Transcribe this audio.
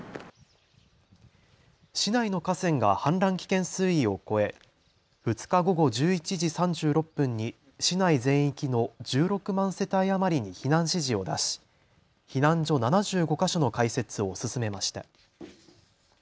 市内の河川が氾濫危険水位を超え、２日午後１１時３６分に市内全域の１６万世帯余りに避難指示を出し避難所７５か所の開設を進めました。